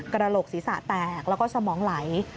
กระโหลกศีรษะแตกแล้วก็สมองไหล